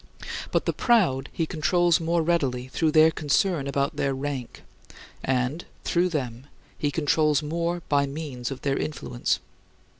But the proud he controls more readily through their concern about their rank and, through them, he controls more by means of their influence.